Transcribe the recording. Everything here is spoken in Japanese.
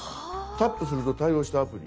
「タップすると対応したアプリ」。